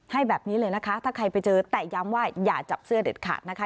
ให้แบบนี้เลยนะคะถ้าใครไปเจอแต่ย้ำว่าอย่าจับเสื้อเด็ดขาดนะคะ